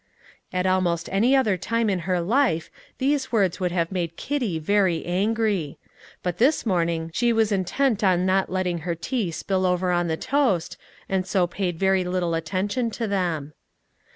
At almost any other time in her life these words would have made Kitty very angry; but this morning she was intent on not letting her tea spill over on the toast, and so paid very little attention to them.